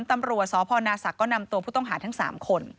ตำรวจสพนาศักดิ์ก็นำตัวผู้ต้องหาทั้ง๓คน